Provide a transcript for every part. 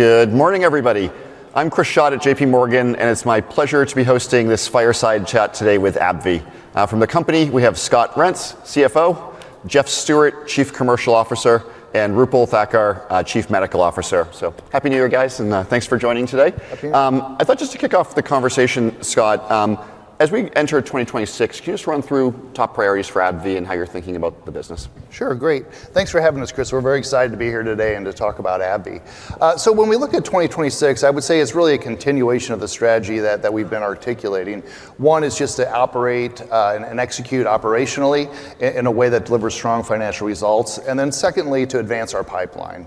Good morning, everybody. I'm Chris Schott at JPMorgan, and it's my pleasure to be hosting this Fireside Chat today with AbbVie. From the company, we have Scott Reents, CFO, Jeff Stewart, Chief Commercial Officer, and Roopal Thakkar, Chief Medical Officer. So, happy New Year, guys, and thanks for joining today. Happy New Year. I thought just to kick off the conversation, Scott, as we enter 2026, can you just run through top priorities for AbbVie and how you're thinking about the business? Sure, great. Thanks for having us, Chris. We're very excited to be here today and to talk about AbbVie. So when we look at 2026, I would say it's really a continuation of the strategy that we've been articulating. One is just to operate and execute operationally in a way that delivers strong financial results. And then secondly, to advance our pipeline.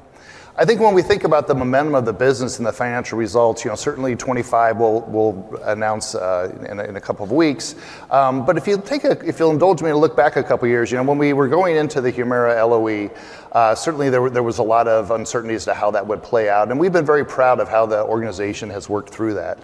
I think when we think about the momentum of the business and the financial results, certainly 2025 we'll announce in a couple of weeks. But if you'll indulge me to look back a couple of years, when we were going into the Humira LOE, certainly there was a lot of uncertainties as to how that would play out. And we've been very proud of how the organization has worked through that.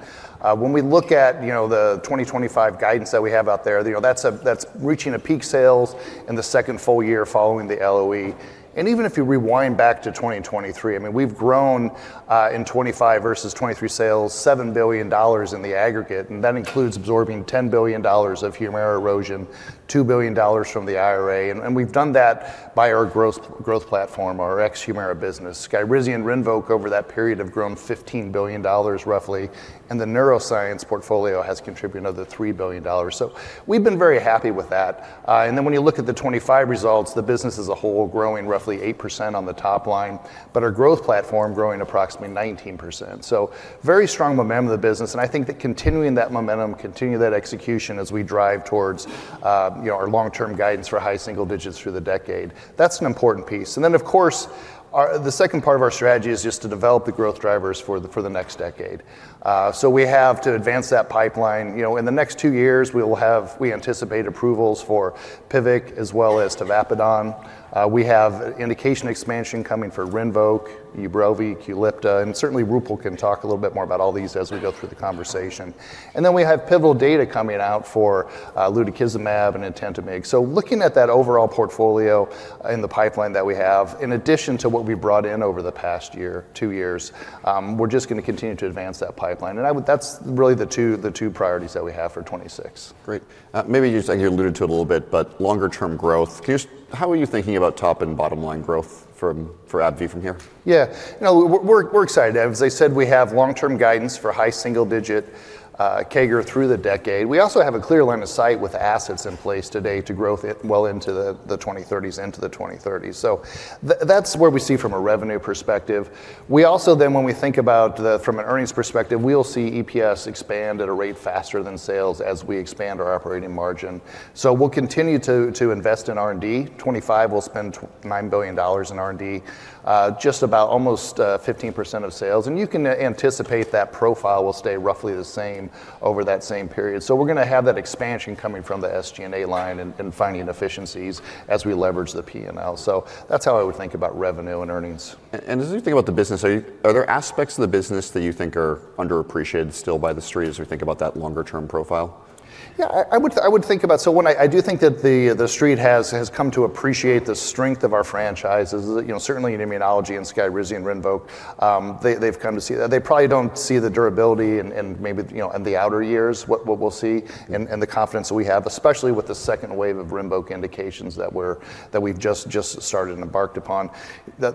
When we look at the 2025 guidance that we have out there, that's reaching a peak sales in the second full year following the LOE. And even if you rewind back to 2023, I mean, we've grown in 2025 versus 2023 sales $7 billion in the aggregate. And that includes absorbing $10 billion of Humira erosion, $2 billion from the IRA. And we've done that by our growth platform, our ex-Humira business. Skyrizi and Rinvoq over that period have grown $15 billion, roughly. And the neuroscience portfolio has contributed another $3 billion. So we've been very happy with that. And then when you look at the 2025 results, the business as a whole is growing roughly 8% on the top line, but our growth platform is growing approximately 19%. So very strong momentum of the business. I think that continuing that momentum, continuing that execution as we drive towards our long-term guidance for high single digits through the decade, that's an important piece. And then, of course, the second part of our strategy is just to develop the growth drivers for the next decade. So we have to advance that pipeline. In the next two years, we anticipate approvals for Vyalev as well as Tavapadon. We have indication expansion coming for Rinvoq, Ubrelvy, Qulipta. And certainly, Roopal can talk a little bit more about all these as we go through the conversation. And then we have pivotal data coming out for Lutikizumab and Itentamig. So looking at that overall portfolio in the pipeline that we have, in addition to what we brought in over the past year, two years, we're just going to continue to advance that pipeline. That's really the two priorities that we have for 2026. Great. Maybe you alluded to it a little bit, but longer-term growth. How are you thinking about top and bottom line growth for AbbVie from here? Yeah. We're excited. As I said, we have long-term guidance for high single digit CAGR through the decade. We also have a clear line of sight with assets in place today to grow well into the 2030s, into the 2030s. So that's where we see from a revenue perspective. We also, then, when we think about from an earnings perspective, we'll see EPS expand at a rate faster than sales as we expand our operating margin. So we'll continue to invest in R&D. 2025, we'll spend $9 billion in R&D, just about almost 15% of sales. And you can anticipate that profile will stay roughly the same over that same period. So we're going to have that expansion coming from the SG&A line and finding efficiencies as we leverage the P&L. So that's how I would think about revenue and earnings. As you think about the business, are there aspects of the business that you think are underappreciated still by the street as we think about that longer-term profile? Yeah, I would think about, so I do think that the street has come to appreciate the strength of our franchises. Certainly, Immunology and SKYRIZI and RINVOQ, they've come to see that. They probably don't see the durability and maybe the outer years what we'll see and the confidence that we have, especially with the second wave of RINVOQ indications that we've just started and embarked upon.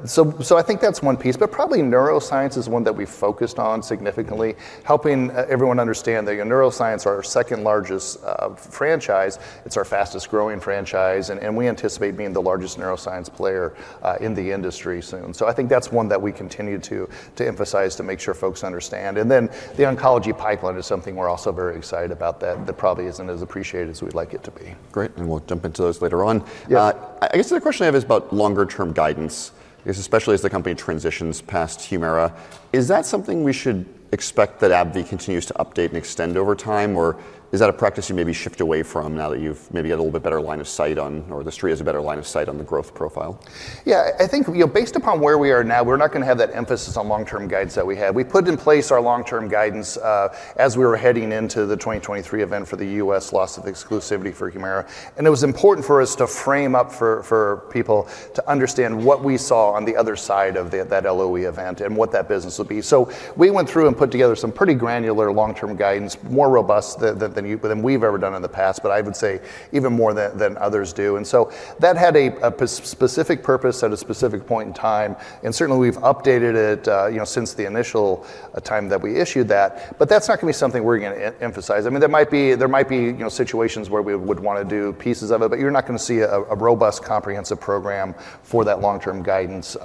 So I think that's one piece. But probably neuroscience is one that we've focused on significantly, helping everyone understand that neuroscience, our second largest franchise, it's our fastest growing franchise. And we anticipate being the largest neuroscience player in the industry soon. So I think that's one that we continue to emphasize to make sure folks understand. And then the oncology pipeline is something we're also very excited about that probably isn't as appreciated as we'd like it to be. Great. And we'll jump into those later on. I guess the question I have is about longer-term guidance, especially as the company transitions past Humira. Is that something we should expect that AbbVie continues to update and extend over time, or is that a practice you maybe shift away from now that you've maybe had a little bit better line of sight on, or the street has a better line of sight on the growth profile? Yeah, I think based upon where we are now, we're not going to have that emphasis on long-term guidance that we had. We put in place our long-term guidance as we were heading into the 2023 event for the U.S. loss of exclusivity for Humira. And it was important for us to frame up for people to understand what we saw on the other side of that LOE event and what that business would be. So we went through and put together some pretty granular long-term guidance, more robust than we've ever done in the past, but I would say even more than others do. And so that had a specific purpose at a specific point in time. And certainly, we've updated it since the initial time that we issued that. But that's not going to be something we're going to emphasize. I mean, there might be situations where we would want to do pieces of it, but you're not going to see a robust comprehensive program for that long-term guidance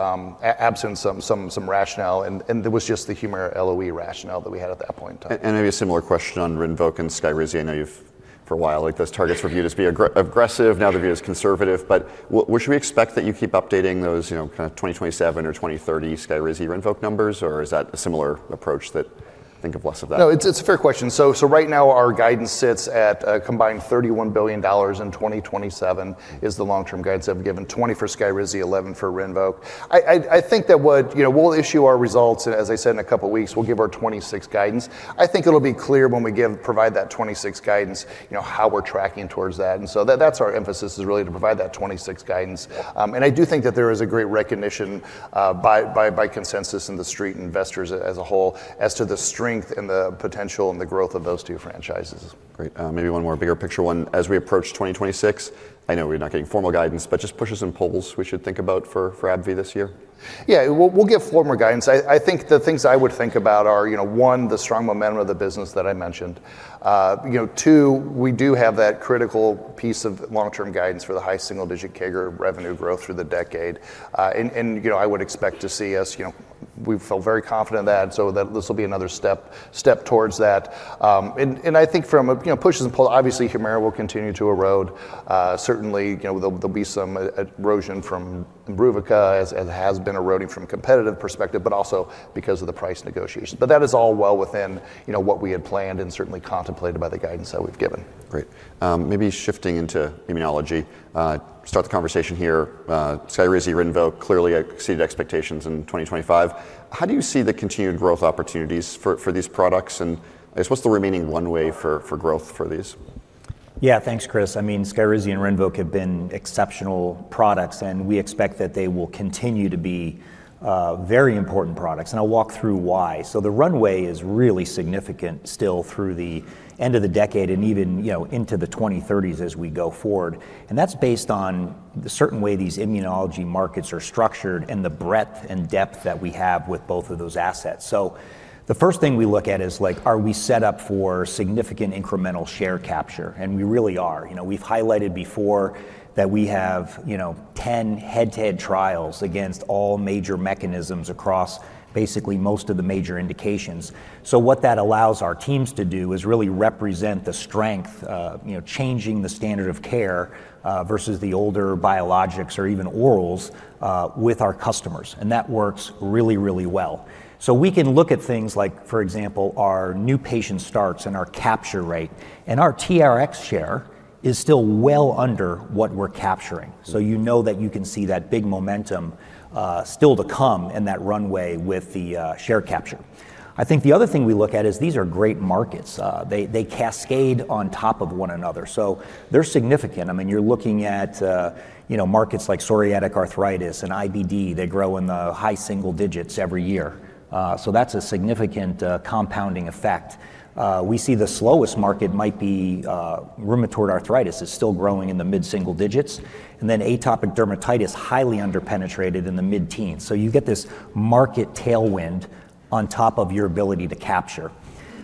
absent some rationale. And it was just the Humira LOE rationale that we had at that point in time. And maybe a similar question on Rinvoq and Skyrizi. I know you've for a while looked at those targets for viewed as being aggressive. Now the view is conservative. But should we expect that you keep updating those kind of 2027 or 2030 Skyrizi/Rinvoq numbers, or is that a similar approach that think of less of that? No, it's a fair question. So right now, our guidance sits at combined $31 billion in 2027 is the long-term guidance that we've given, 20 for Skyrizi, 11 for Rinvoq. I think that we'll issue our results. And as I said, in a couple of weeks, we'll give our 2026 guidance. I think it'll be clear when we provide that 2026 guidance how we're tracking towards that. And so that's our emphasis is really to provide that 2026 guidance. And I do think that there is a great recognition by consensus in the street and investors as a whole as to the strength and the potential and the growth of those two franchises. Great. Maybe one more bigger picture one as we approach 2026. I know we're not getting formal guidance, but just pushes and pulls we should think about for AbbVie this year? Yeah, we'll get formal guidance. I think the things I would think about are, one, the strong momentum of the business that I mentioned. Two, we do have that critical piece of long-term guidance for the high single digit CAGR revenue growth through the decade. And I would expect to see us, we feel very confident in that. So this will be another step towards that. And I think from pushes and pulls, obviously, Humira will continue to erode. Certainly, there'll be some erosion from Imbruvica, as it has been eroding from a competitive perspective, but also because of the price negotiations. But that is all well within what we had planned and certainly contemplated by the guidance that we've given. Great. Maybe shifting into immunology, start the conversation here. Skyrizi, Rinvoq clearly exceeded expectations in 2025. How do you see the continued growth opportunities for these products? And I guess what's the remaining runway for growth for these? Yeah, thanks, Chris. I mean, SKYRIZI and RINVOQ have been exceptional products, and we expect that they will continue to be very important products. And I'll walk through why. So the runway is really significant still through the end of the decade and even into the 2030s as we go forward. And that's based on the certain way these immunology markets are structured and the breadth and depth that we have with both of those assets. So the first thing we look at is, are we set up for significant incremental share capture? And we really are. We've highlighted before that we have 10 head-to-head trials against all major mechanisms across basically most of the major indications. So what that allows our teams to do is really represent the strength, changing the standard of care versus the older biologics or even orals with our customers. That works really, really well. We can look at things like, for example, our new patient starts and our capture rate. Our TRX share is still well under what we're capturing. You know that you can see that big momentum still to come in that runway with the share capture. I think the other thing we look at is these are great markets. They cascade on top of one another. They're significant. I mean, you're looking at markets like psoriatic arthritis and IBD. They grow in the high single digits every year. That's a significant compounding effect. We see the slowest market might be rheumatoid arthritis is still growing in the mid-single digits. Then atopic dermatitis highly underpenetrated in the mid-teens. You get this market tailwind on top of your ability to capture.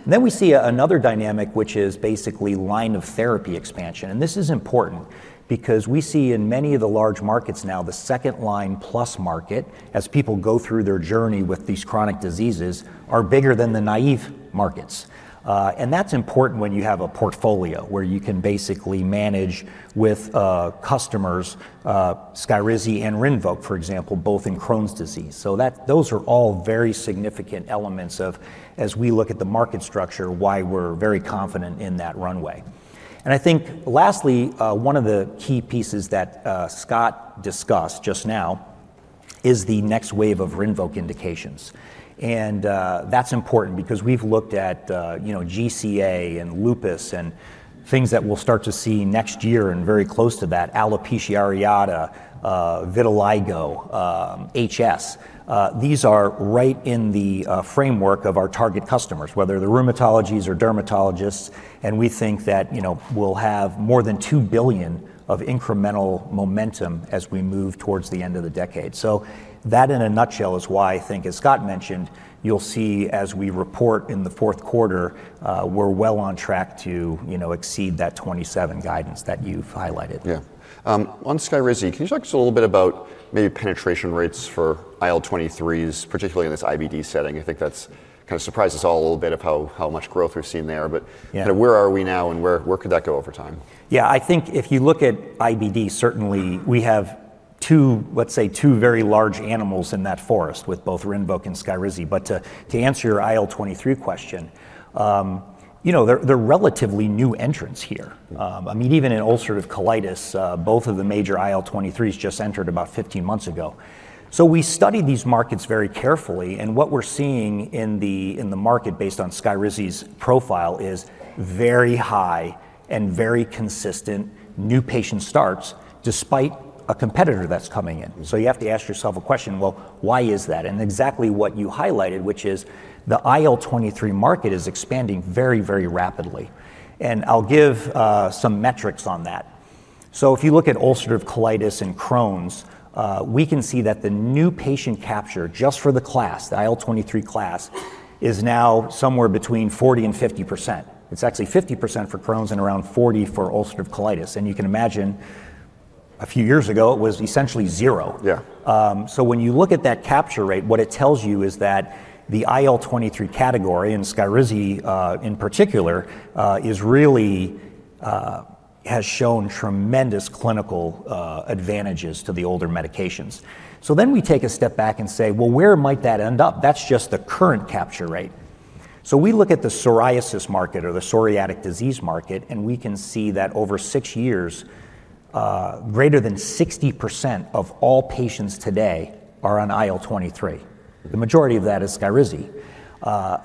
And then we see another dynamic, which is basically line of therapy expansion. And this is important because we see in many of the large markets now, the second line plus market, as people go through their journey with these chronic diseases, are bigger than the naive markets. And that's important when you have a portfolio where you can basically manage with customers, Skyrizi and Rinvoq, for example, both in Crohn's disease. So those are all very significant elements of, as we look at the market structure, why we're very confident in that runway. And I think lastly, one of the key pieces that Scott discussed just now is the next wave of Rinvoq indications. And that's important because we've looked at GCA and lupus and things that we'll start to see next year and very close to that, alopecia areata, vitiligo, HS. These are right in the framework of our target customers, whether they're rheumatologists or dermatologists, and we think that we'll have more than $2 billion of incremental momentum as we move towards the end of the decade, so that in a nutshell is why I think, as Scott mentioned, you'll see as we report in the fourth quarter, we're well on track to exceed that 2027 guidance that you've highlighted. Yeah. On SKYRIZI, can you talk to us a little bit about maybe penetration rates for IL-23s, particularly in this IBD setting? I think that kind of surprises all a little bit of how much growth we've seen there. But where are we now and where could that go over time? Yeah, I think if you look at IBD, certainly we have two, let's say, two very large animals in that forest with both Rinvoq and Skyrizi. But to answer your IL-23 question, they're relatively new entrants here. I mean, even in ulcerative colitis, both of the major IL-23s just entered about 15 months ago. So we study these markets very carefully. And what we're seeing in the market based on Skyrizi's profile is very high and very consistent new patient starts despite a competitor that's coming in. So you have to ask yourself a question, well, why is that? And exactly what you highlighted, which is the IL-23 market is expanding very, very rapidly. And I'll give some metrics on that. So if you look at ulcerative colitis and Crohn's, we can see that the new patient capture just for the class, the IL-23 class, is now somewhere between 40%-50%. It's actually 50% for Crohn's and around 40% for ulcerative colitis. And you can imagine a few years ago it was essentially zero. So when you look at that capture rate, what it tells you is that the IL-23 category and SKYRIZI in particular has shown tremendous clinical advantages to the older medications. So then we take a step back and say, well, where might that end up? That's just the current capture rate. So we look at the psoriasis market or the psoriatic disease market, and we can see that over six years, greater than 60% of all patients today are on IL-23. The majority of that is SKYRIZI.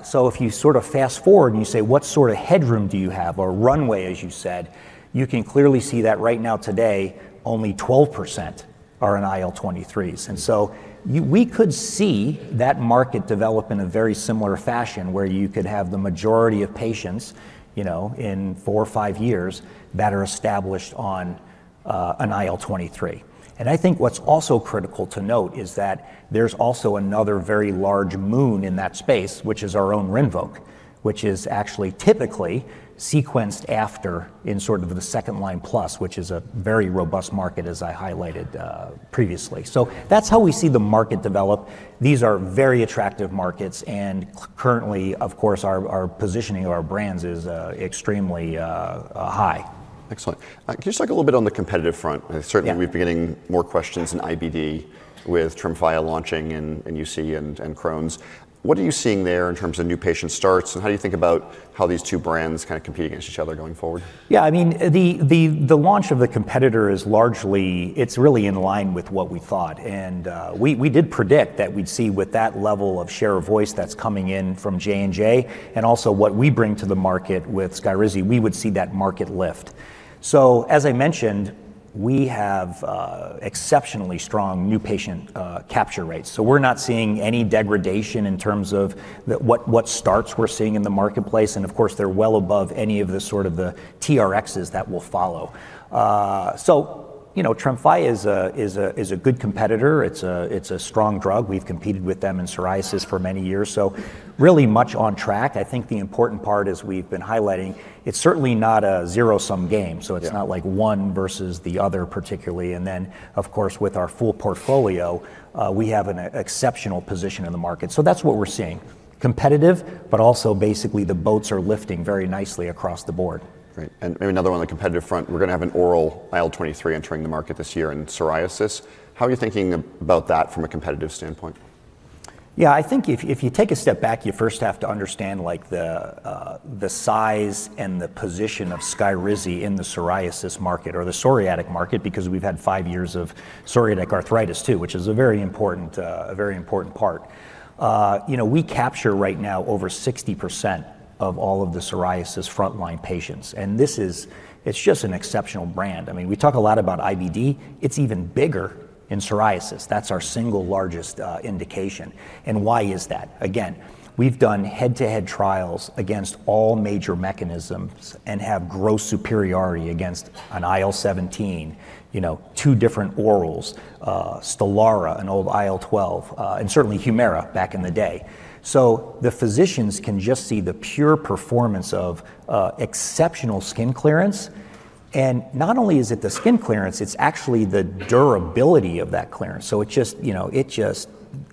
So if you sort of fast forward and you say, what sort of headroom do you have or runway, as you said, you can clearly see that right now today, only 12% are on IL-23s. And so we could see that market develop in a very similar fashion where you could have the majority of patients in four or five years that are established on an IL-23. And I think what's also critical to note is that there's also another very large moat in that space, which is our own Rinvoq, which is actually typically sequenced after in sort of the second line plus, which is a very robust market, as I highlighted previously. So that's how we see the market develop. These are very attractive markets. And currently, of course, our positioning of our brands is extremely high. Excellent. Can you just talk a little bit on the competitive front? Certainly, we've been getting more questions in IBD with Tremfya launching in UC and Crohn's. What are you seeing there in terms of new patient starts? And how do you think about how these two brands kind of compete against each other going forward? Yeah, I mean, the launch of the competitor is largely. It's really in line with what we thought. And we did predict that we'd see with that level of share of voice that's coming in from J&J and also what we bring to the market with Skyrizi, we would see that market lift. So as I mentioned, we have exceptionally strong new patient capture rates. So we're not seeing any degradation in terms of what starts we're seeing in the marketplace. And of course, they're well above any of the sort of the TRXs that will follow. So Tremfya is a good competitor. It's a strong drug. We've competed with them in psoriasis for many years. So really much on track. I think the important part, as we've been highlighting, it's certainly not a zero-sum game. So it's not like one versus the other particularly. And then, of course, with our full portfolio, we have an exceptional position in the market. So that's what we're seeing. Competitive, but also basically the boats are lifting very nicely across the board. Great. And maybe another one on the competitive front, we're going to have an oral IL-23 entering the market this year in psoriasis. How are you thinking about that from a competitive standpoint? Yeah, I think if you take a step back, you first have to understand the size and the position of Skyrizi in the psoriasis market or the psoriatic market because we've had five years of psoriatic arthritis too, which is a very important part. We capture right now over 60% of all of the psoriasis frontline patients. And this is, it's just an exceptional brand. I mean, we talk a lot about IBD. It's even bigger in psoriasis. That's our single largest indication. And why is that? Again, we've done head-to-head trials against all major mechanisms and have gross superiority against an IL-17, two different orals, Stelara, an old IL-12, and certainly Humira back in the day. So the physicians can just see the pure performance of exceptional skin clearance. And not only is it the skin clearance, it's actually the durability of that clearance. So it just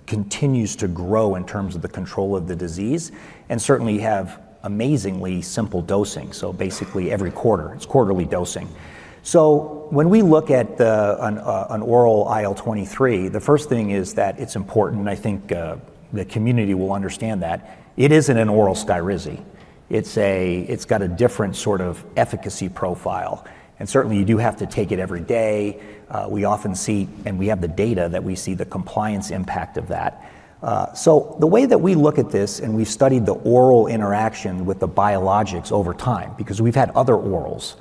continues to grow in terms of the control of the disease and certainly have amazingly simple dosing. So basically every quarter, it's quarterly dosing. So when we look at an oral IL-23, the first thing is that it's important. And I think the community will understand that. It isn't an oral Skyrizi. It's got a different sort of efficacy profile. And certainly you do have to take it every day. We often see, and we have the data that we see the compliance impact of that. So the way that we look at this and we've studied the oral interaction with the biologics over time because we've had other orals.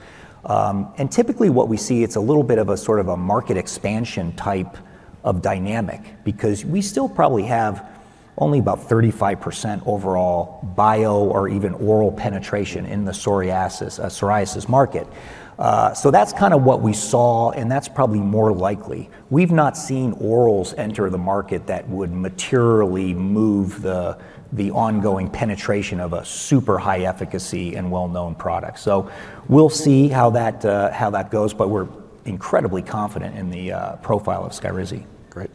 And typically what we see, it's a little bit of a sort of a market expansion type of dynamic because we still probably have only about 35% overall bio or even oral penetration in the psoriasis market. So that's kind of what we saw, and that's probably more likely. We've not seen orals enter the market that would materially move the ongoing penetration of a super high efficacy and well-known product. So we'll see how that goes, but we're incredibly confident in the profile of Skyrizi. Great.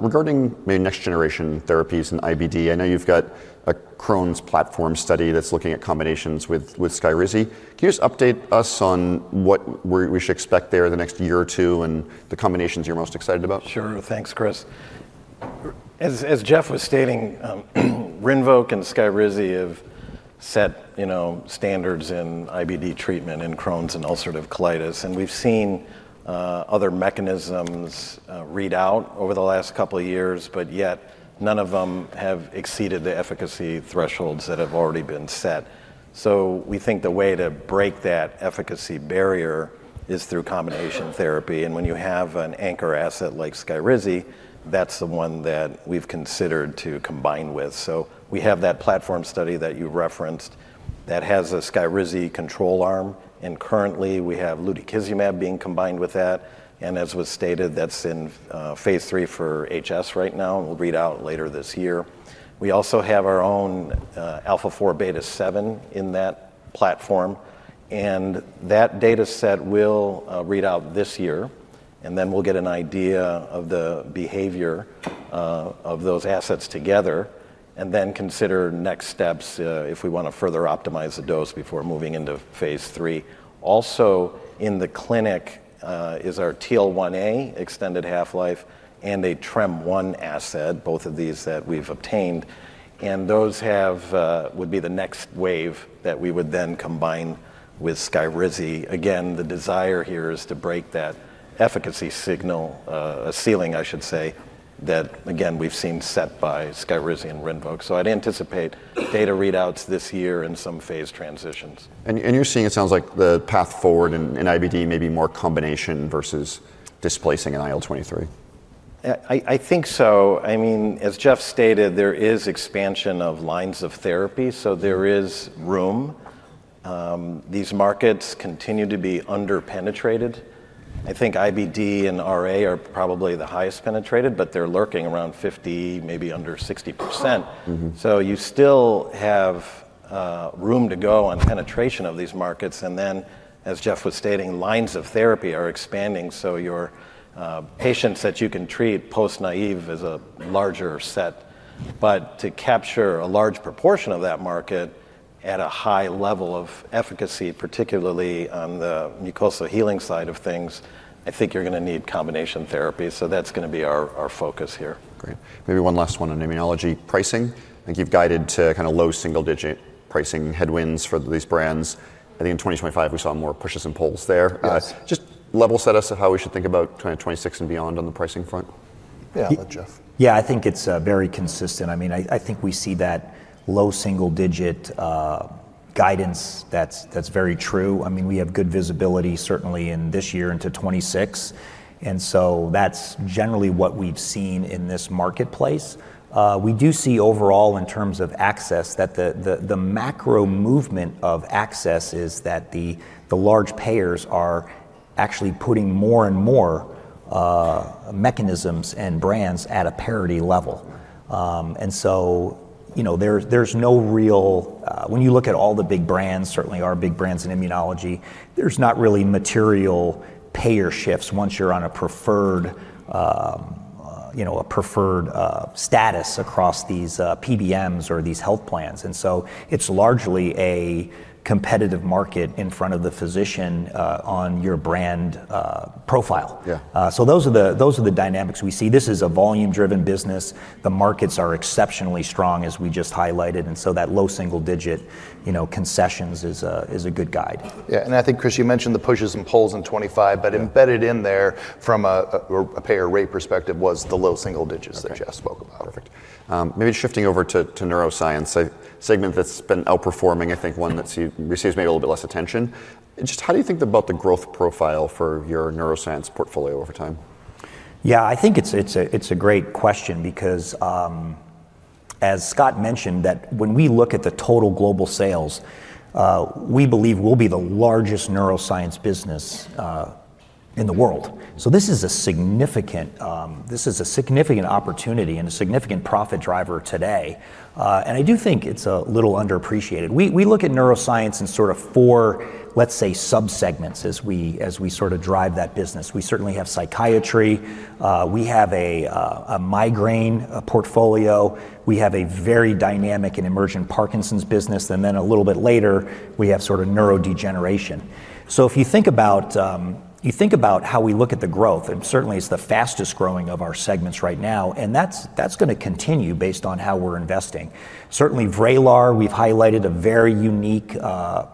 Regarding maybe next generation therapies in IBD, I know you've got a Crohn's platform study that's looking at combinations with Skyrizi. Can you just update us on what we should expect there the next year or two and the combinations you're most excited about? Sure. Thanks, Chris. As Jeff was stating, Rinvoq and Skyrizi have set standards in IBD treatment in Crohn's and ulcerative colitis, and we've seen other mechanisms read out over the last couple of years, but yet none of them have exceeded the efficacy thresholds that have already been set, so we think the way to break that efficacy barrier is through combination therapy, and when you have an anchor asset like Skyrizi, that's the one that we've considered to combine with, so we have that platform study that you referenced that has a Skyrizi control arm, and currently we have Lutikizumab being combined with that, and as was stated, that's in phase three for HS right now and will read out later this year. We also have our own alpha-4 beta-7 in that platform, and that data set will read out this year. And then we'll get an idea of the behavior of those assets together and then consider next steps if we want to further optimize the dose before moving into phase three. Also in the clinic is our TL1A extended half-life and a Trem-1 asset, both of these that we've obtained. And those would be the next wave that we would then combine with Skyrizi. Again, the desire here is to break that efficacy signal, a ceiling I should say, that again we've seen set by Skyrizi and Rinvoq. So I'd anticipate data readouts this year and some phase transitions. You're seeing it sounds like the path forward in IBD may be more combination versus displacing an IL-23. I think so. I mean, as Jeff stated, there is expansion of lines of therapy. So there is room. These markets continue to be underpenetrated. I think IBD and RA are probably the highest penetrated, but they're lurking around 50%, maybe under 60%. So you still have room to go on penetration of these markets. And then as Jeff was stating, lines of therapy are expanding. So your patients that you can treat post-naive is a larger set. But to capture a large proportion of that market at a high level of efficacy, particularly on the mucosal healing side of things, I think you're going to need combination therapy. So that's going to be our focus here. Great. Maybe one last one on immunology pricing. I think you've guided to kind of low single-digit pricing headwinds for these brands. I think in 2025 we saw more pushes and pulls there. Just level set us on how we should think about 2026 and beyond on the pricing front. Yeah, Jeff. Yeah, I think it's very consistent. I mean, I think we see that low single-digit guidance that's very true. I mean, we have good visibility certainly in this year into 2026. And so that's generally what we've seen in this marketplace. We do see overall in terms of access that the macro movement of access is that the large payers are actually putting more and more mechanisms and brands at a parity level. And so there's no real, when you look at all the big brands, certainly our big brands in immunology, there's not really material payer shifts once you're on a preferred status across these PBMs or these health plans. And so it's largely a competitive market in front of the physician on your brand profile. So those are the dynamics we see. This is a volume-driven business. The markets are exceptionally strong as we just highlighted. That low single-digit concessions is a good guide. Yeah, and I think, Chris, you mentioned the pushes and pulls in 2025, but embedded in there from a payer rate perspective was the low single digits that Jeff spoke about. Maybe shifting over to neuroscience, a segment that's been outperforming, I think one that receives maybe a little bit less attention. Just how do you think about the growth profile for your neuroscience portfolio over time? Yeah, I think it's a great question because as Scott mentioned that when we look at the total global sales, we believe we'll be the largest neuroscience business in the world. So this is a significant opportunity and a significant profit driver today. And I do think it's a little underappreciated. We look at neuroscience in sort of four, let's say, subsegments as we sort of drive that business. We certainly have psychiatry. We have a migraine portfolio. We have a very dynamic and emerging Parkinson's business. And then a little bit later, we have sort of neurodegeneration. So if you think about how we look at the growth, and certainly it's the fastest growing of our segments right now, and that's going to continue based on how we're investing. Certainly Vraylar, we've highlighted a very unique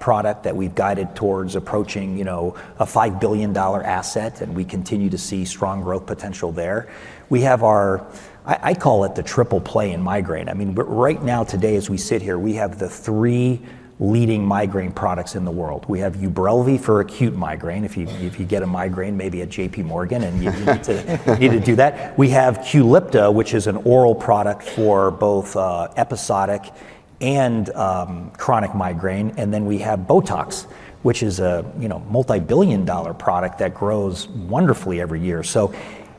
product that we've guided towards approaching a $5 billion asset, and we continue to see strong growth potential there. We have our, I call it the triple play in migraine. I mean, right now today as we sit here, we have the three leading migraine products in the world. We have Ubrelvy for acute migraine. If you get a migraine, maybe at JPMorgan and you need to do that. We have Qulipta, which is an oral product for both episodic and chronic migraine. And then we have Botox, which is a multi-billion dollar product that grows wonderfully every year.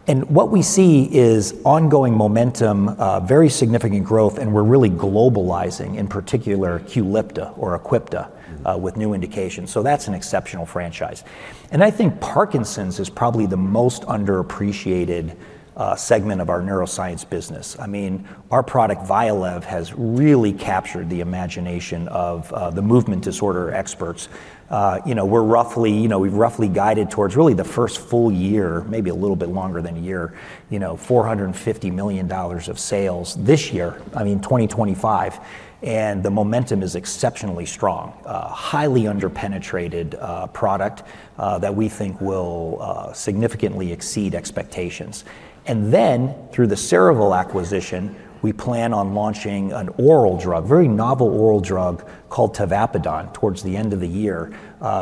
And what we see is ongoing momentum, very significant growth, and we're really globalizing, in particular Qulipta or Aquipta with new indications. So that's an exceptional franchise. And I think Parkinson's is probably the most underappreciated segment of our neuroscience business. I mean, our product Vyalev has really captured the imagination of the movement disorder experts. We've roughly guided towards really the first full year, maybe a little bit longer than a year, $450 million of sales this year, I mean, 2025, and the momentum is exceptionally strong, a highly underpenetrated product that we think will significantly exceed expectations, and then through the Cerevel acquisition, we plan on launching an oral drug, very novel oral drug called tavapadon towards the end of the year,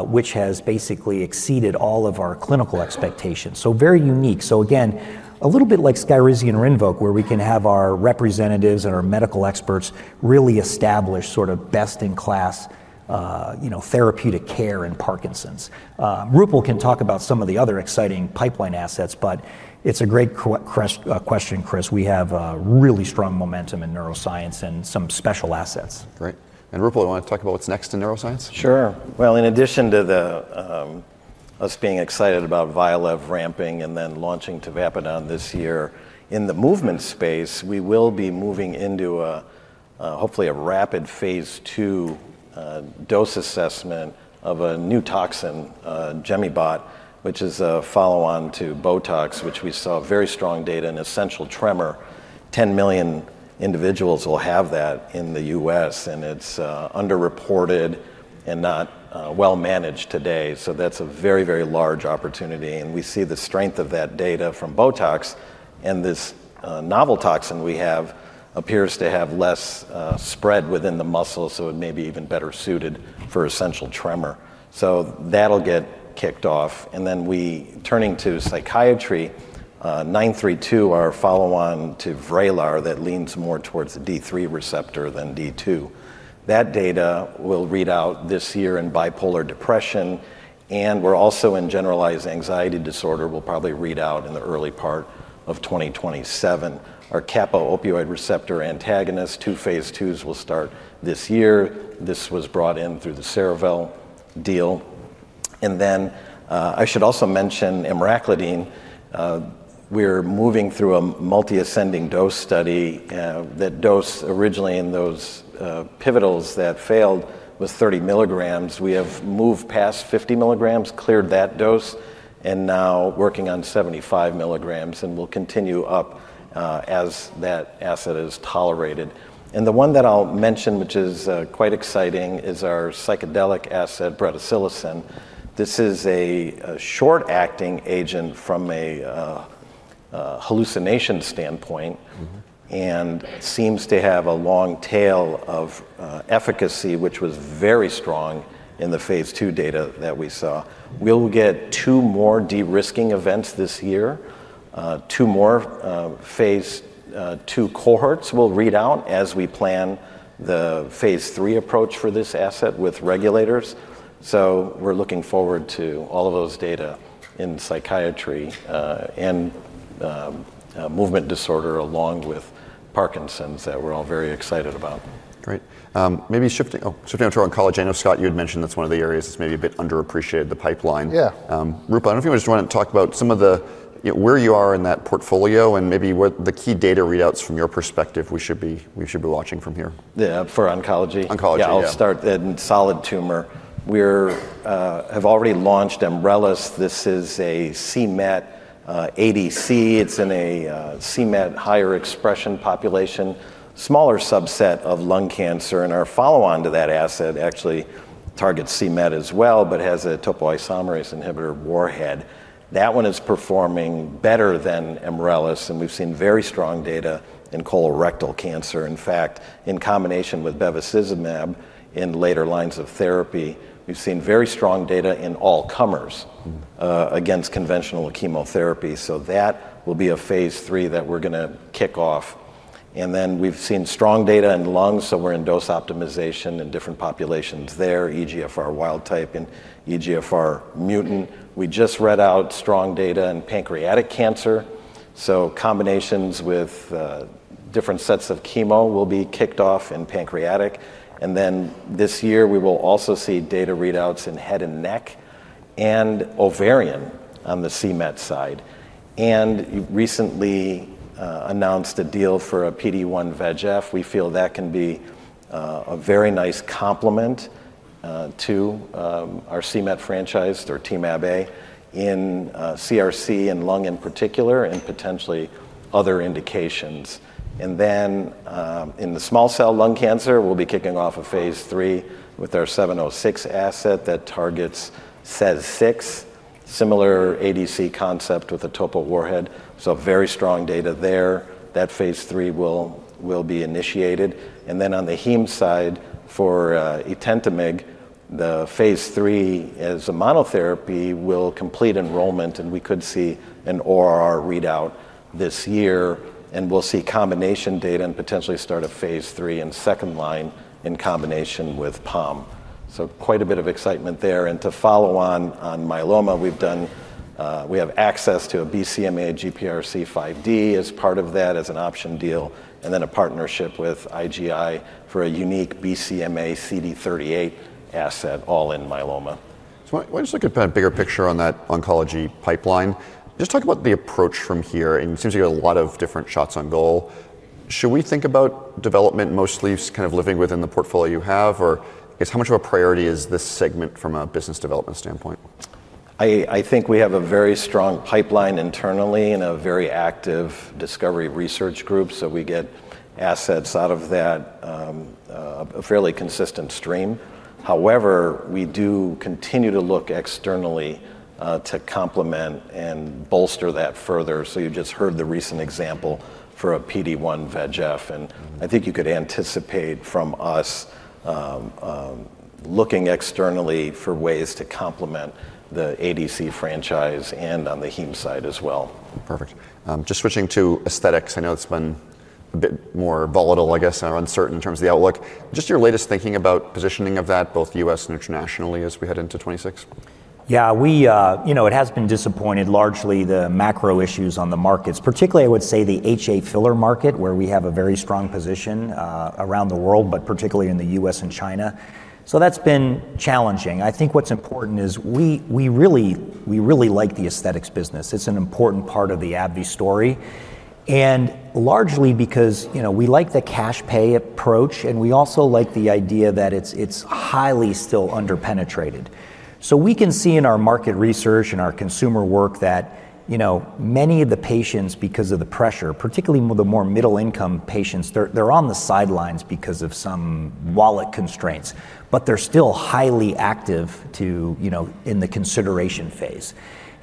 which has basically exceeded all of our clinical expectations, so very unique, so again, a little bit like Skyrizi and Rinvoq, where we can have our representatives and our medical experts really establish sort of best-in-class therapeutic care in Parkinson's. Roopal can talk about some of the other exciting pipeline assets, but it's a great question, Chris. We have really strong momentum in neuroscience and some special assets. Great. And Roopal, do you want to talk about what's next in neuroscience? Sure. Well, in addition to us being excited about Vyalev ramping and then launching Tavapadon this year, in the movement space, we will be moving into hopefully a rapid phase 2 dose assessment of a new toxin, BoNT/A, which is a follow-on to Botox, which we saw very strong data in essential tremor. 10 million individuals will have that in the U.S., and it's underreported and not well managed today. So that's a very, very large opportunity. And we see the strength of that data from Botox. And this novel toxin we have appears to have less spread within the muscle, so it may be even better suited for essential tremor. So that'll get kicked off. And then turning to psychiatry, 932, our follow-on to Vraylar that leans more towards the D3 receptor than D2. That data will read out this year in bipolar depression. And we're also in generalized anxiety disorder will probably read out in the early part of 2027. Our kappa opioid receptor antagonist. Two phase 2s will start this year. This was brought in through the Cerevel deal. And then I should also mention Emraclidine. We're moving through a multiple ascending dose study. That dose originally in those pivotals that failed was 30 milligrams. We have moved past 50 milligrams, cleared that dose, and now working on 75 milligrams. And we'll continue up as that asset is tolerated. And the one that I'll mention, which is quite exciting, is our psychedelic asset, from Gilgamesh. This is a short-acting agent from a hallucination standpoint and seems to have a long tail of efficacy, which was very strong in the phase 2 data that we saw. We'll get two more de-risking events this year, two more phase two cohorts we'll read out as we plan the phase three approach for this asset with regulators. So we're looking forward to all of those data in psychiatry and movement disorder along with Parkinson's that we're all very excited about. Great. Maybe shifting onto our oncology. I know, Scott, you had mentioned that's one of the areas that's maybe a bit underappreciated, the pipeline. Roopal, I don't know if you want to talk about some of the where you are in that portfolio and maybe what the key data readouts from your perspective we should be watching from here. Yeah, for oncology. Oncology, yeah. I'll start then solid tumor. We have already launched Umbrellas. This is a c-Met ADC. It's in a c-Met higher expression population, smaller subset of lung cancer. And our follow-on to that asset actually targets c-Met as well, but has a topoisomerase inhibitor warhead. That one is performing better than Umbrellas. And we've seen very strong data in colorectal cancer. In fact, in combination with bevacizumab in later lines of therapy, we've seen very strong data in all comers against conventional chemotherapy. So that will be a phase three that we're going to kick off. And then we've seen strong data in lungs. So we're in dose optimization in different populations there, EGFR wild type and EGFR mutant. We just read out strong data in pancreatic cancer. So combinations with different sets of chemo will be kicked off in pancreatic. And then this year we will also see data readouts in head and neck and ovarian on the c-Met side. And recently announced a deal for a PD-1/VEGF. We feel that can be a very nice complement to our c-Met franchise or teliso in CRC and lung in particular and potentially other indications. And then in the small cell lung cancer, we'll be kicking off a phase three with our 706 asset that targets SEZ6, similar ADC concept with a topo warhead. So very strong data there. That phase three will be initiated. And then on the heme side for Itentamig, the phase three as a monotherapy will complete enrollment, and we could see an ORR readout this year. And we'll see combination data and potentially start a phase three in second line in combination with POM. So quite a bit of excitement there. To follow on myeloma, we have access to a BCMA GPRC5D as part of that as an option deal, and then a partnership with IGM for a unique BCMA CD38 asset all in myeloma. Why don't you look at that bigger picture on that oncology pipeline? Just talk about the approach from here, and it seems you have a lot of different shots on goal. Should we think about development mostly kind of living within the portfolio you have, or I guess how much of a priority is this segment from a business development standpoint? I think we have a very strong pipeline internally and a very active discovery research group. So we get assets out of that, a fairly consistent stream. However, we do continue to look externally to complement and bolster that further. So you just heard the recent example for a PD-1 VEGF, and I think you could anticipate from us looking externally for ways to complement the ADC franchise and on the heme side as well. Perfect. Just switching to aesthetics, I know it's been a bit more volatile, I guess, or uncertain in terms of the outlook. Just your latest thinking about positioning of that, both U.S. and internationally as we head into 2026? Yeah, it has been disappointing largely the macro issues on the markets, particularly I would say the HA filler market where we have a very strong position around the world, but particularly in the US and China. So that's been challenging. I think what's important is we really like the aesthetics business. It's an important part of the AbbVie story. And largely because we like the cash pay approach, and we also like the idea that it's highly still underpenetrated. So we can see in our market research and our consumer work that many of the patients, because of the pressure, particularly the more middle-income patients, they're on the sidelines because of some wallet constraints, but they're still highly active in the consideration phase.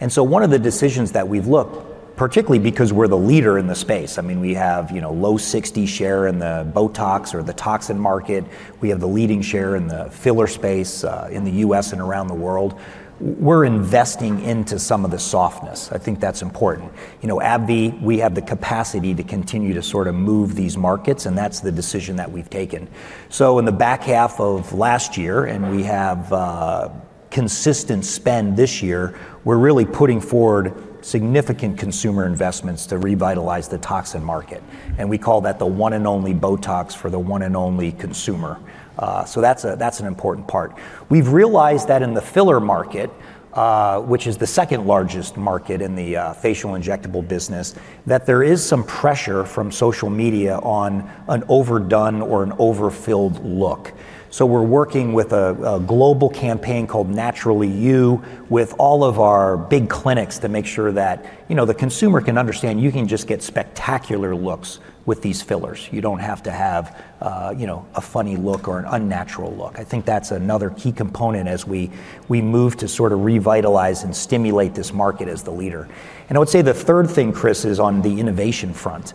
And so one of the decisions that we've looked at, particularly because we're the leader in the space, I mean, we have low 60% share in the Botox or the toxin market. We have the leading share in the filler space in the U.S. and around the world. We're investing into some of the softness. I think that's important. AbbVie, we have the capacity to continue to sort of move these markets, and that's the decision that we've taken. So in the back half of last year, and we have consistent spend this year, we're really putting forward significant consumer investments to revitalize the toxin market. And we call that the one and only Botox for the one and only consumer. So that's an important part. We've realized that in the filler market, which is the second largest market in the facial injectable business, that there is some pressure from social media on an overdone or an overfilled look. So we're working with a global campaign called Naturally You with all of our big clinics to make sure that the consumer can understand you can just get spectacular looks with these fillers. You don't have to have a funny look or an unnatural look. I think that's another key component as we move to sort of revitalize and stimulate this market as the leader. And I would say the third thing, Chris, is on the innovation front.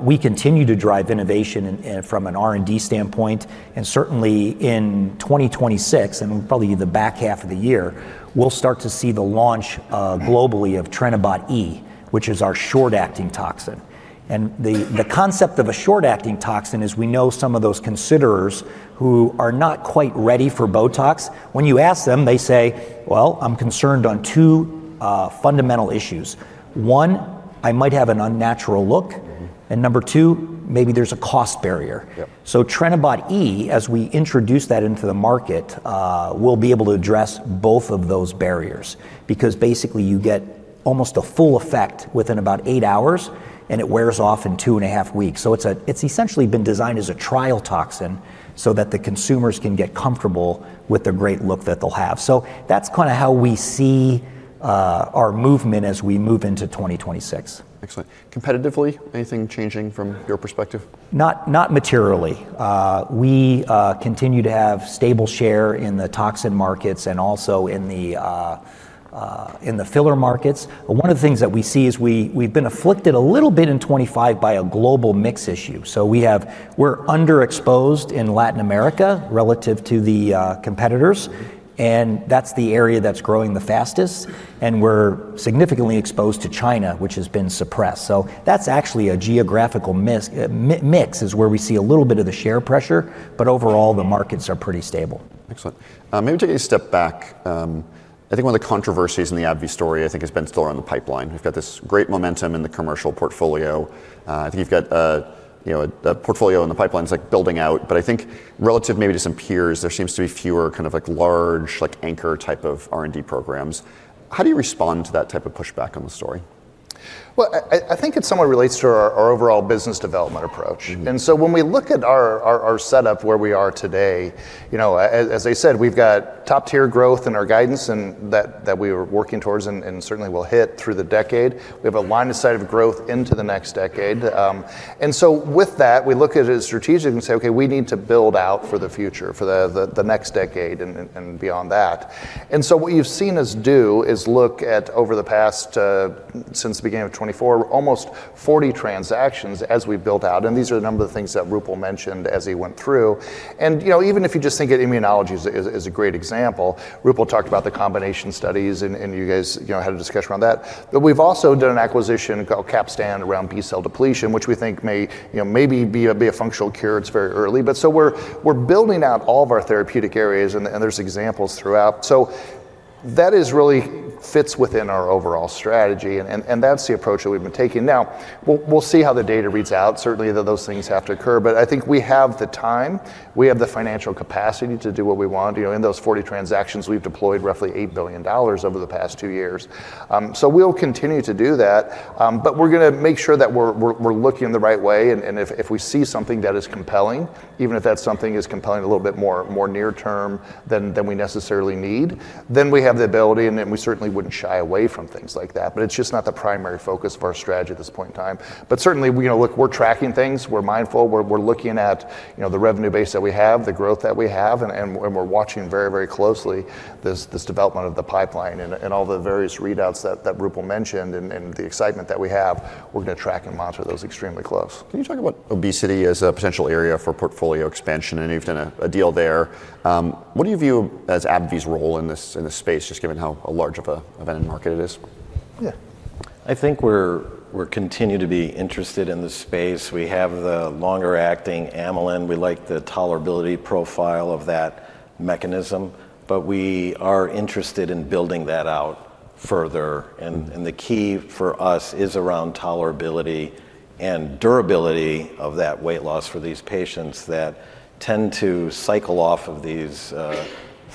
We continue to drive innovation from an R&D standpoint. And certainly in 2026, and probably the back half of the year, we'll start to see the launch globally of Trinibot E, which is our short-acting toxin. The concept of a short-acting toxin is we know some of those consumers who are not quite ready for BOTOX. When you ask them, they say, "Well, I'm concerned on two fundamental issues. One, I might have an unnatural look. And number two, maybe there's a cost barrier." So Trinibot E, as we introduce that into the market, will be able to address both of those barriers because basically you get almost a full effect within about eight hours, and it wears off in two and a half weeks. So it's essentially been designed as a trial toxin so that the consumers can get comfortable with the great look that they'll have. So that's kind of how we see our movement as we move into 2026. Excellent. Competitively, anything changing from your perspective? Not materially. We continue to have stable share in the toxin markets and also in the filler markets. One of the things that we see is we've been afflicted a little bit in 2025 by a global mix issue, so we're underexposed in Latin America relative to the competitors, and that's the area that's growing the fastest, and we're significantly exposed to China, which has been suppressed, so that's actually a geographical mix is where we see a little bit of the share pressure, but overall the markets are pretty stable. Excellent. Maybe take a step back. I think one of the controversies in the AbbVie story, I think, has been still around the pipeline. We've got this great momentum in the commercial portfolio. I think you've got a portfolio in the pipeline that's building out. But I think relative maybe to some peers, there seems to be fewer kind of large anchor type of R&D programs. How do you respond to that type of pushback on the story? I think it somewhat relates to our overall business development approach. When we look at our setup where we are today, as I said, we've got top-tier growth in our guidance that we are working towards and certainly will hit through the decade. We have a line of sight of growth into the next decade. With that, we look at it strategically and say, "Okay, we need to build out for the future, for the next decade and beyond that." What you've seen us do is look at over the past, since the beginning of 2024, almost 40 transactions as we build out. These are a number of the things that Roopal mentioned as he went through. And even if you just think of immunology as a great example, Roopal talked about the combination studies, and you guys had a discussion around that. But we've also done an acquisition called Capstan around B-cell depletion, which we think may be a functional cure. It's very early. But so we're building out all of our therapeutic areas, and there's examples throughout. So that really fits within our overall strategy. And that's the approach that we've been taking. Now, we'll see how the data reads out. Certainly, those things have to occur. But I think we have the time. We have the financial capacity to do what we want. In those 40 transactions, we've deployed roughly $8 billion over the past two years. So we'll continue to do that. But we're going to make sure that we're looking the right way. And if we see something that is compelling, even if that something is compelling a little bit more near-term than we necessarily need, then we have the ability. And we certainly wouldn't shy away from things like that. But it's just not the primary focus of our strategy at this point in time. But certainly, we're tracking things. We're mindful. We're looking at the revenue base that we have, the growth that we have. And we're watching very, very closely this development of the pipeline and all the various readouts that Roopal mentioned and the excitement that we have. We're going to track and monitor those extremely close. Can you talk about obesity as a potential area for portfolio expansion? I know you've done a deal there. What do you view as AbbVie's role in this space, just given how large of an end market it is? Yeah. I think we're continuing to be interested in the space. We have the longer-acting Amylin. We like the tolerability profile of that mechanism. But we are interested in building that out further. And the key for us is around tolerability and durability of that weight loss for these patients that tend to cycle off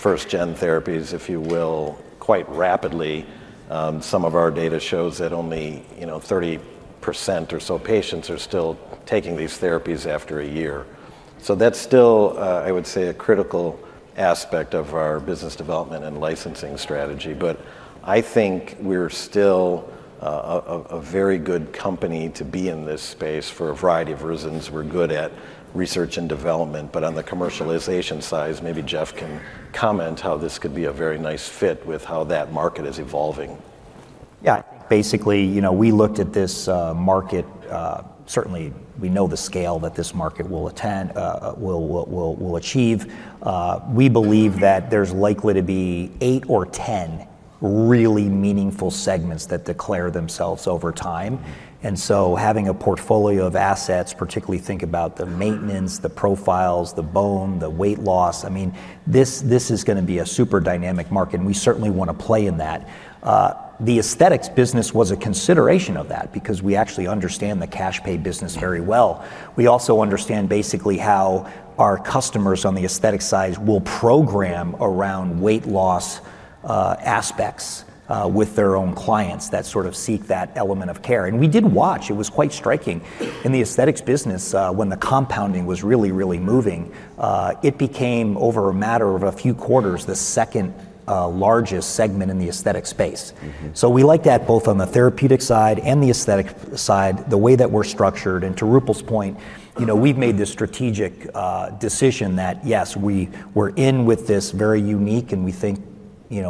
of these first-gen therapies, if you will, quite rapidly. Some of our data shows that only 30% or so patients are still taking these therapies after a year. So that's still, I would say, a critical aspect of our business development and licensing strategy. But I think we're still a very good company to be in this space for a variety of reasons. We're good at research and development. But on the commercialization side, maybe Jeff can comment how this could be a very nice fit with how that market is evolving. Yeah, I think basically we looked at this market. Certainly, we know the scale that this market will achieve. We believe that there's likely to be eight or 10 really meaningful segments that declare themselves over time. And so having a portfolio of assets, particularly think about the maintenance, the profiles, the bone, the weight loss. I mean, this is going to be a super dynamic market. And we certainly want to play in that. The aesthetics business was a consideration of that because we actually understand the cash pay business very well. We also understand basically how our customers on the aesthetic side will program around weight loss aspects with their own clients that sort of seek that element of care. And we did watch. It was quite striking in the aesthetics business when the compounding was really, really moving. It became, over a matter of a few quarters, the second largest segment in the aesthetic space. So we like that both on the therapeutic side and the aesthetic side, the way that we're structured. And to Roopal's point, we've made this strategic decision that, yes, we're in with this very unique and we think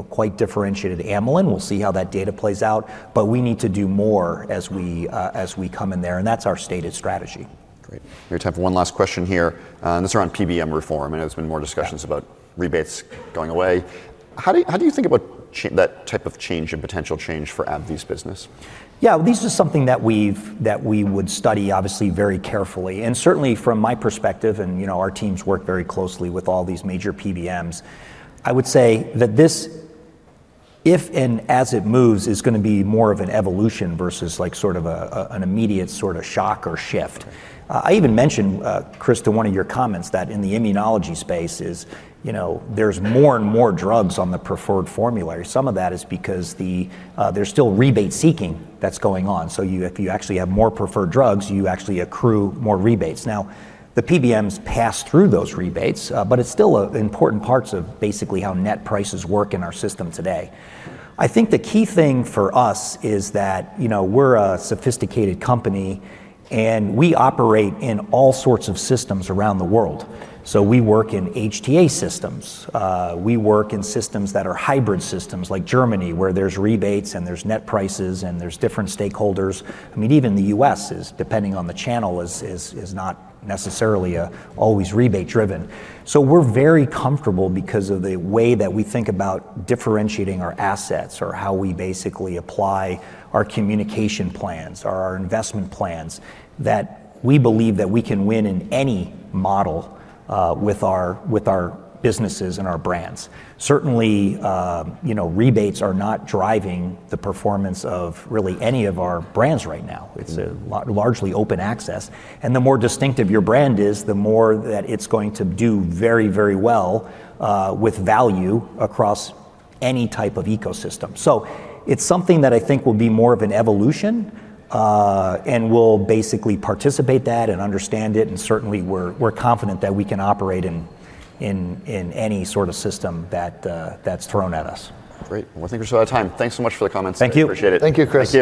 quite differentiated Amylin. We'll see how that data plays out. But we need to do more as we come in there. And that's our stated strategy. Great. We have time for one last question here. And this is around PBM reform. I know there's been more discussions about rebates going away. How do you think about that type of change and potential change for AbbVie's business? Yeah, this is something that we would study, obviously, very carefully, and certainly, from my perspective, and our teams work very closely with all these major PBMs. I would say that this, if and as it moves, is going to be more of an evolution versus sort of an immediate sort of shock or shift. I even mentioned, Chris, to one of your comments that in the immunology space, there's more and more drugs on the preferred formulary. Some of that is because there's still rebate seeking that's going on. So if you actually have more preferred drugs, you actually accrue more rebates. Now, the PBMs pass through those rebates, but it's still important parts of basically how net prices work in our system today. I think the key thing for us is that we're a sophisticated company, and we operate in all sorts of systems around the world. So we work in HTA systems. We work in systems that are hybrid systems like Germany, where there's rebates and there's net prices and there's different stakeholders. I mean, even the U.S., depending on the channel, is not necessarily always rebate-driven. So we're very comfortable because of the way that we think about differentiating our assets or how we basically apply our communication plans or our investment plans that we believe that we can win in any model with our businesses and our brands. Certainly, rebates are not driving the performance of really any of our brands right now. It's largely open access. And the more distinctive your brand is, the more that it's going to do very, very well with value across any type of ecosystem. So it's something that I think will be more of an evolution and will basically participate that and understand it. Certainly, we're confident that we can operate in any sort of system that's thrown at us. Great. Well, I think we're still out of time. Thanks so much for the comments. Thank you. Appreciate it. Thank you, Chris.